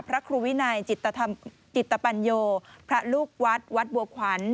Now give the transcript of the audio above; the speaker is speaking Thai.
พระครูวินัยจิตปัญโยพระลูกวัดวัดบัวขวัญ